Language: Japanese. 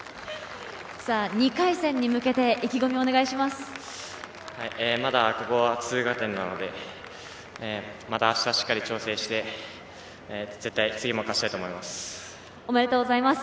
２回戦に向けて意気込まだ、ここは通過点なので、また明日しっかり調整をして、絶対次も勝ちたいと思います。